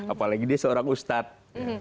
apalagi dia seorang ustadz